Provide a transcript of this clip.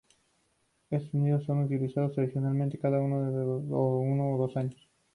Estos nidos son utilizados tradicionalmente cada uno o dos años.